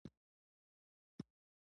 د اوبو ږغ روح ته ساه ورکوي.